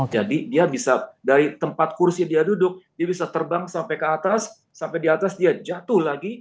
jadi dia bisa dari tempat kursi dia duduk dia bisa terbang sampai ke atas sampai di atas dia jatuh lagi